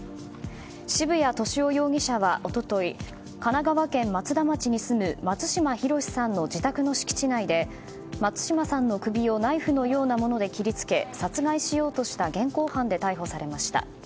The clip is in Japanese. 渋谷寿男容疑者は一昨日神奈川県松田町に住む松島浩さんの自宅の敷地内で松島さんの首をナイフのようなもので切り付け殺害しようとした現行犯で逮捕されました。